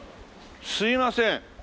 すみません。